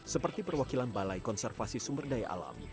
seperti perwakilan balai konservasi sumber daya alam